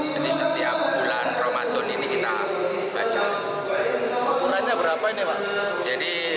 jadi setiap bulan ramadan ini kita baca